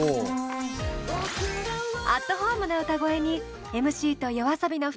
アットホームな歌声にＭＣとＹＯＡＳＯＢＩの２人も思わず。